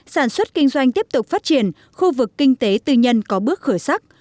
sản xuất kinh doanh tiếp tục phát triển khu vực kinh tế tư nhân có bước khởi sắc